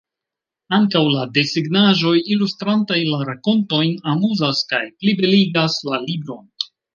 Ankaŭ la desegnaĵoj, ilustrantaj la rakontojn, amuzas kaj plibeligas la libron.